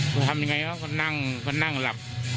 ก็ทำยังไงอ่ะก็นั่งนั่งหลับ